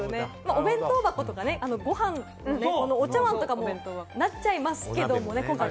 お弁当箱とか、ご飯のお茶わんとかもなっちゃいますけれどもね。